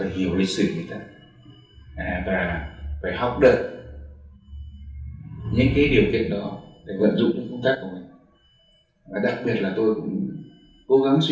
hiểu biết đối tác đánh giá đúng người ta và đúng mình